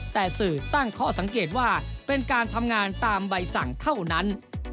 แต่สื่อตั้งข้อสังเกตว่าเป็นการทำงานตามใบสั่งเท่านั้น